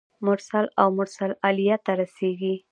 مرسل او مرسل الیه ته رسیږي.